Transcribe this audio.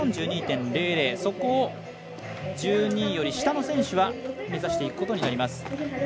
そこを１２位より下の選手は目指していくことになります。